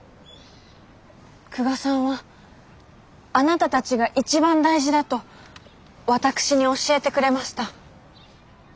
久我さんはあなたたちが一番大事だと私に教えてくれました。